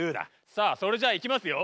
さあそれじゃあいきますよ。